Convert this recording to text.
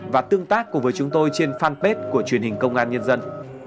và tương tác cùng với chúng tôi trên fanpage của truyền hình công an nhân dân